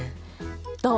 どう？